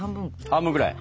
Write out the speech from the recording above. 半分ぐらい。